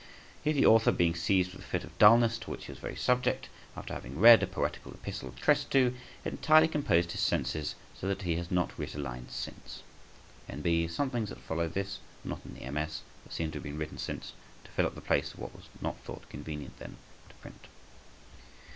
. Here the author being seized with a fit of dulness, to which he is very subject, after having read a poetical epistle addressed to ... it entirely composed his senses, so that he has not writ a line since. N.B.—Some things that follow after this are not in the MS., but seem to have been written since, to fill up the place of what was not thought convenient then to print.